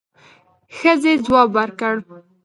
ښځې ځواب ورکړ.